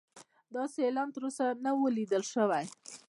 داسې اعلان تر اوسه نه و لیدل شوی.